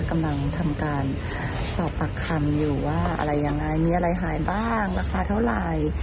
กำลังทำการสอบปากคำอยู่ว่าอะไรยังไงมีอะไรหายบ้างราคาเท่าไหร่